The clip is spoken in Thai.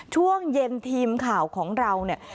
ช่วงเย็นทีมข่าวของเราเนี่ย